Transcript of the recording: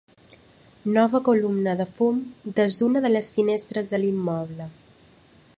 Nova columna de fum des d'una de les finestres de l'immoble.